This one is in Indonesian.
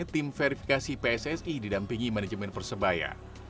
tim verifikasi pssi didampingi manajemen persebaya